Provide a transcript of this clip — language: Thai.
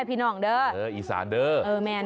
อิสาน